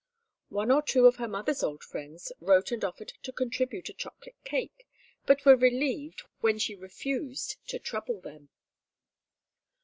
One or two of her mother's old friends wrote and offered to contribute a chocolate cake, but were relieved when she refused to "trouble them."